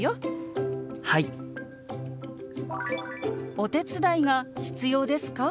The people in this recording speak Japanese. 「お手伝いが必要ですか？」。